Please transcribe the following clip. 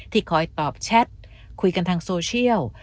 คอยตอบแชทคุยกันทางโซเชียล